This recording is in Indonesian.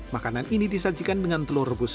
makanan ini disajikan dengan telur rebus